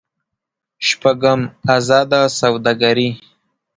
شپږم: ازاده سوداګري.